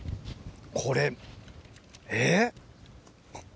これえぇ。